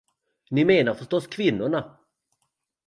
Ni menar förstås kvinnorna.